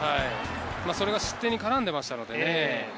それが失点に絡んでいましたのでね。